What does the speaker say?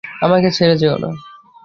আমাকে ছেড়ে যেও না।